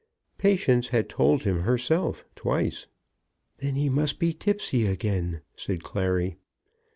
Patience had told him herself, twice. "Then he must be tipsy again," said Clary.